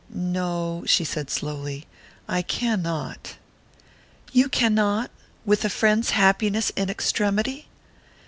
"No," she said slowly. "I cannot." "You cannot? With a friend's happiness in extremity?"